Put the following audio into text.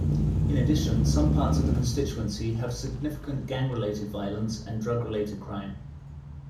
In addition, some parts of the constituency have significant gang-related violence and drug-related crime.